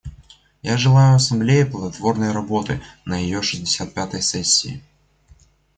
Я желаю Ассамблее плодотворной работы на ее шестьдесят пятой сессии.